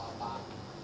atau dimana atau apa